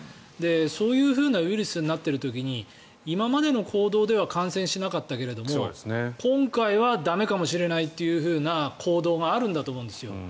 そういうふうなウイルスになっている時に今までの行動では感染しなかったけれども今回は駄目かもしれないという行動があるんだと思うんです。